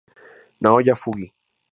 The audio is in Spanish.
Naoya Fuji